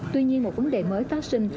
tuy nhiên một vấn đề mới phát sinh